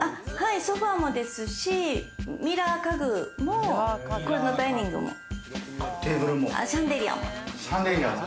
ソファーもですし、ミラー家具もこのダイニングも、シャンデリアも。